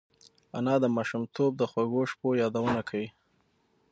انا د ماشومتوب د خوږو شپو یادونه کوي